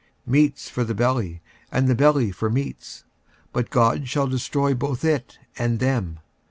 46:006:013 Meats for the belly, and the belly for meats: but God shall destroy both it and them.